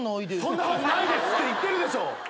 そんなはずないですって言ってるでしょ！